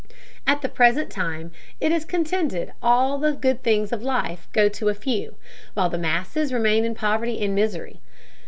At the present time, it is contended, all the good things of life go to a few, while the masses remain in poverty and misery.